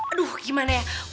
aduh gimana ya